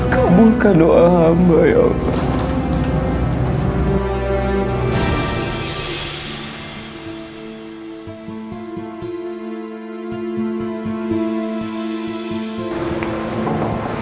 kamulah doa amba ya allah